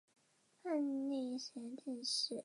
万历十年进士。